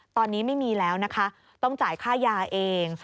ตอนนี้ไม่มีแล้วนะคะต้องจ่ายค่ายาเอง